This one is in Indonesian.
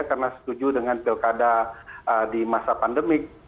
karena setuju dengan pilkada di masa pandemik